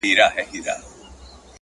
دومره ناهیلې ده چي ټول مزل ته رنگ ورکوي”